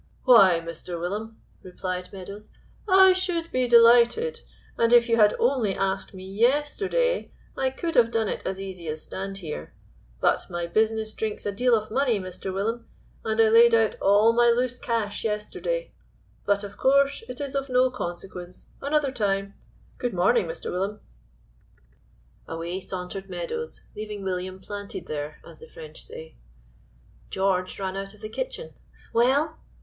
"Why, Mr. Willum," replied Meadows, "I should be delighted, and if you had only asked me yesterday, I could have done it as easy as stand here; but my business drinks a deal of money, Mr. Willum, and I laid out all my loose cash yesterday; but, of course, it is of no consequence another time good morning, Mr. Willum." Away sauntered Meadows, leaving William planted there, as the French say. George ran out of the kitchen. "Well?"